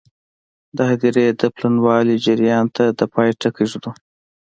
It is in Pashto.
د هدیرو د پلنوالي جریان ته د پای ټکی ږدو.